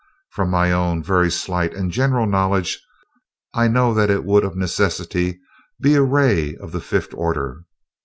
From my own very slight and general knowledge I know that it would of necessity be a ray of the fifth order.